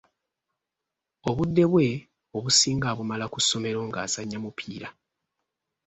Obudde bwe obusinga abumala ku ssomero ng'azannya mupiira.